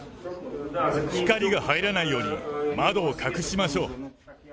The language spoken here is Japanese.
光が入らないように、窓を隠しましょう。